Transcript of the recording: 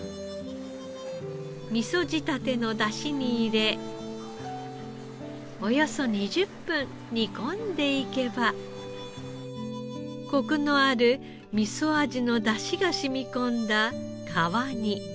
味噌仕立ての出汁に入れおよそ２０分煮込んでいけばコクのある味噌味の出汁が染み込んだ川煮。